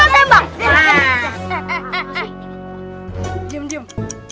diam diam diam